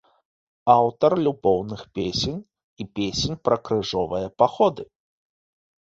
Аўтар любоўных песень і песень пра крыжовыя паходы.